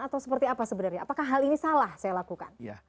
atau seperti apa sebenarnya apakah hal ini salah saya lakukan